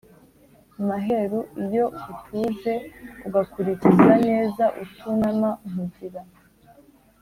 Maheru iyo utujeUgakulikiza nezaUtunama nkugira!